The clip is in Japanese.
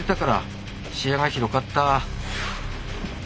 視野が広かった。